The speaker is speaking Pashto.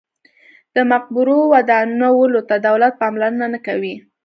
د مقبرو ودانولو ته دولت پاملرنه نه کوي.